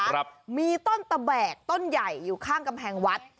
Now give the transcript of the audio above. ครับมีต้นตะแบกต้นใหญ่อยู่ข้างกำแพงวัด